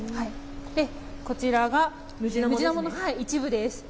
こちらがムジナモの一部です。